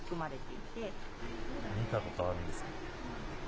見たことあるんですけど。